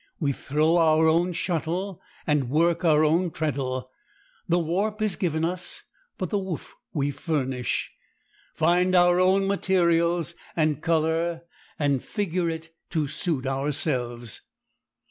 We throw our own shuttle and work our own treadle. The warp is given us, but the woof we furnish—find our own materials, and color and figure it to suit ourselves.